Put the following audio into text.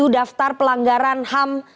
tujuh daftar pelanggaran ham